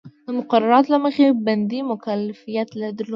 د مقرراتو له مخې بندي مکلفیت درلود.